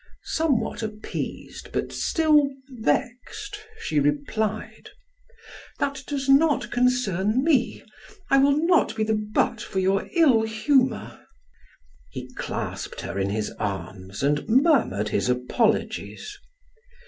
Somewhat appeased but still, vexed, she replied: "That does not concern me; I will not be the butt for your ill humor." He clasped her in his arms and murmured his apologies.